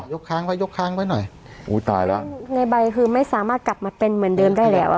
ค้างไว้ยกค้างไว้หน่อยอุ้ยตายแล้วในใบคือไม่สามารถกลับมาเป็นเหมือนเดิมได้แล้วอ่ะ